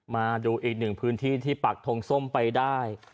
มาดูอีกหนึ่งพื้นที่ที่ปักทงส้มไปได้